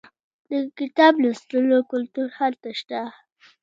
د کتاب لوستلو کلتور هلته شته.